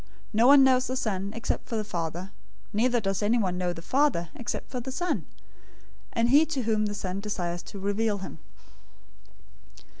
No one knows the Son, except the Father; neither does anyone know the Father, except the Son, and he to whom the Son desires to reveal him.